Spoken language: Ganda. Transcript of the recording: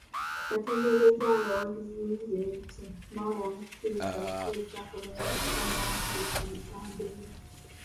Yategeezezza abawagizi be nti, Mao yamukkirizza okukozesa akabonero ka manvuuli ku bipande bye.